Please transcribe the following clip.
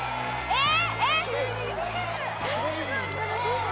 えっ？